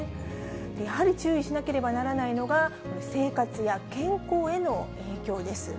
やはり注意しなければならないのが、生活や健康への影響です。